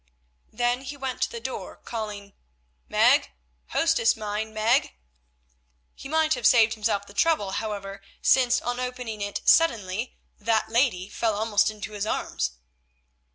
Then he went to the door, calling, "Meg, hostess mine, Meg." He might have saved himself the trouble, however, since, on opening it suddenly, that lady fell almost into his arms.